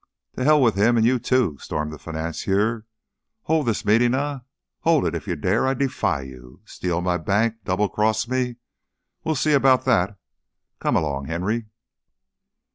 "To hell with him, and you, too!" stormed the financier. "Hold the meeting, eh? Hold it if you dare! I defy you. Steal my bank, double cross me We'll see about that. Come along, Henry."